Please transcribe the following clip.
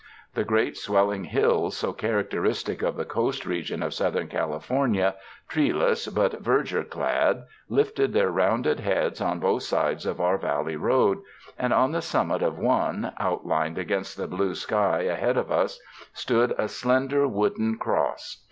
The great, swelling 106 SPRING DAYS IN A CARRIAGE hills, so characteristic of the coast region of South ern California, treeless but verdure clad, lifted their rounded heads on both sides of our valley road ; and on the summit of one, outlined against the blue sky ahead of us, stood a slender wooden cross.